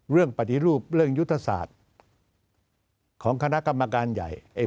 ปฏิรูปเรื่องยุทธศาสตร์ของคณะกรรมการใหญ่